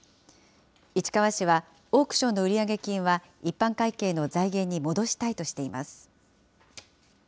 市川市は、オークションの売り上げ金は一般会計の財源に戻したいとしています。